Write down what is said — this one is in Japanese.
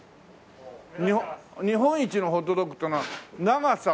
日本一のホットドッグっていうのは長さ？